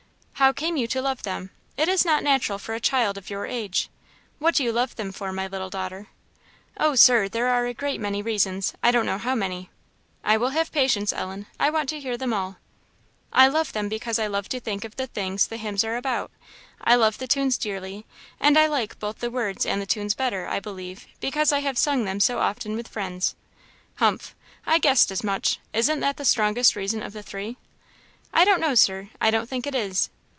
"How came you to love them? It is not natural for a child of your age. What do you love them for, my little daughter?" "Oh, Sir, there are a great many reasons I don't know how many." "I will have patience, Ellen; I want to hear them all." "I love them because I love to think of the things the hymns are about I love the tunes dearly, and I like both the words and the tunes better, I believe, because I have sung them so often with friends." "Humph! I guessed as much. Isn't that the strongest reason of the three?" "I don't know, Sir; I don't think it is."